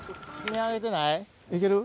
いける？